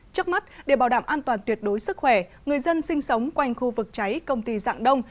trước mắt để bảo đảm an toàn tuyệt đối sức khỏe người dân sinh sống quanh khu vực cháy công ty dạng đông